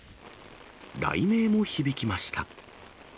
雷鳴も響きました。